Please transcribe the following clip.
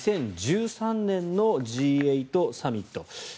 ２０１３年のＧ８サミット。